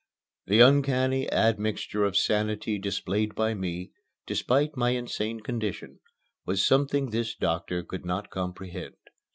The uncanny admixture of sanity displayed by me, despite my insane condition, was something this doctor could not comprehend.